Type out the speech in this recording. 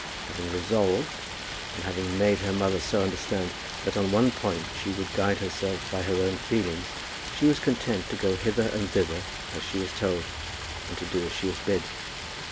Having resolved, and having made her mother so understand, that on one point she would guide herself by her own feelings, she was contented to go hither and thither as she was told, and to do as she was bid.